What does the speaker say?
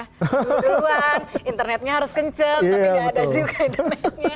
perlu perluan internetnya harus kenceng tapi nggak ada juga internetnya